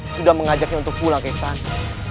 sudah mengajaknya untuk pulang ke sana